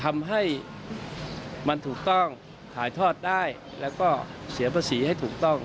ทำให้มันถูกต้องถ่ายทอดได้แล้วก็เสียภาษีให้ถูกต้อง